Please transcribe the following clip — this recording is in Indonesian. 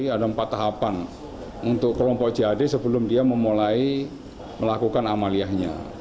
ada empat tahapan untuk kelompok jad sebelum dia memulai melakukan amaliyahnya